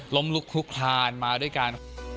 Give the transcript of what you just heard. ล้มลุกทุกทานมาด้วยการ